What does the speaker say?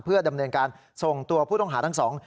เพื่อดำเนินการส่งตัวผู้ต้องหาทั้งสอง